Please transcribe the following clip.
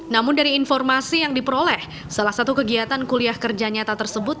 namun dari informasi yang diperoleh salah satu kegiatan kuliah kerja nyata tersebut